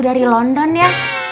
dari london ya